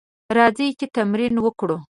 راځئ چې تمرين وکړو.